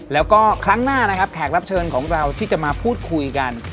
แล้วก็ครั้งหน้านะครับแขกรับเชิญของเราที่จะมาพูดคุยกัน